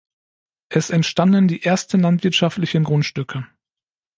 Es entstanden die ersten landwirtschaftlichen Grundstücke.